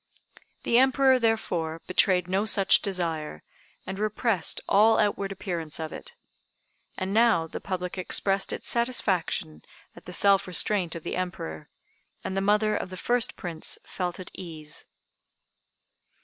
The Emperor, therefore, betrayed no such desire, and repressed all outward appearance of it. And now the public expressed its satisfaction at the self restraint of the Emperor, and the mother of the first Prince felt at ease.